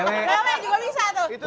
lele juga bisa tuh